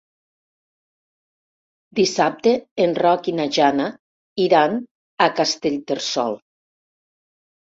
Dissabte en Roc i na Jana iran a Castellterçol.